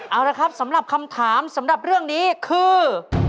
เอาละครับสำหรับคำถามสำหรับเรื่องนี้คือ